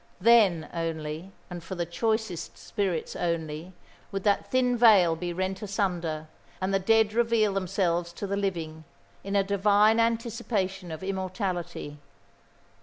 Then only, and for the choicest spirits only, would that thin veil be rent asunder and the dead reveal themselves to the living, in a divine anticipation of immortality.